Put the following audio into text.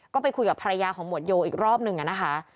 ก็ไปคุยกับภรรยาของหมวดโยอีกรอบนึงนะคะ